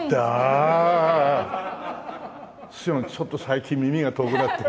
ちょっと最近耳が遠くなって。